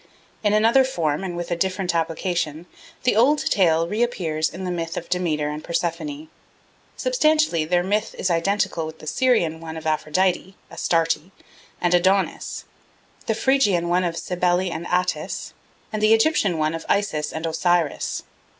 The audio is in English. In another form and with a different application the old tale reappears in the myth of Demeter and Persephone. Substantially their myth is identical with the Syrian one of Aphrodite (Astarte) and Adonis, the Phrygian one of Cybele and Attis, and the Egyptian one of Isis and Osiris.